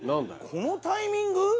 このタイミング？